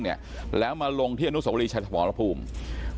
เนี่ยแล้วมาลงที่อนุสวรีชายสมรภูมิ